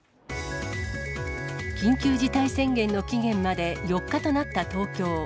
緊急事態宣言の期限まで４日となった東京。